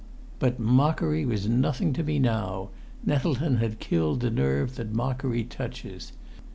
But mockery was nothing to me now. Nettleton had killed the nerve that mockery touches.